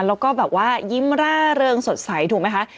แล้วก็ยิ้มร่ารวงสดใสถูกไหมคะ